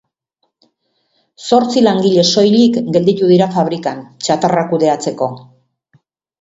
Zortzi langile soilik gelditu dira fabrikan, txatarra kudeatzeko.